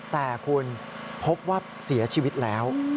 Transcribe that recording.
แต่คุณพบว่าเสียชีวิตแล้ว